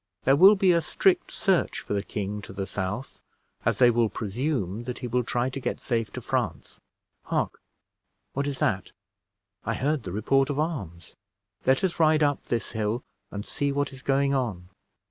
There will be a strict search for the king to the south, as they will presume that he will try to get safe to France. Hark! what is that? I heard the report of arms. Let us ride up this hill and see what is going on."